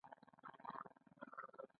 آیا سفر کول ډیر وخت نه نیسي؟